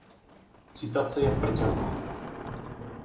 Citace je prťavá.